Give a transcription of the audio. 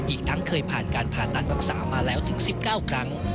อีกทั้งเคยผ่านการผ่าตัดรักษามาแล้วถึง๑๙ครั้ง